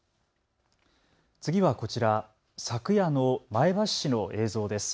次はこちら、昨夜の前橋市の映像です。